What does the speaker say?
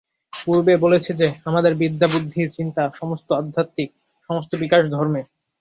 পূর্বে বলেছি যে, আমাদের বিদ্যা বুদ্ধি চিন্তা সমস্ত আধ্যাত্মিক, সমস্ত বিকাশ ধর্মে।